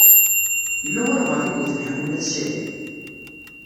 Yella walebɛaḍ i yewten Ḥemmu n At Sɛid?